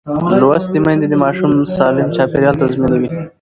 لوستې میندې د ماشوم سالم چاپېریال تضمینوي.